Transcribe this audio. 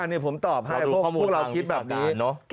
นี่ผมตอบให้พวกเราคิดแบบนี้